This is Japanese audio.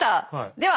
では。